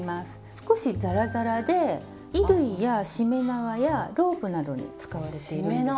少しザラザラで衣類やしめ縄やロープなどに使われているんですよ。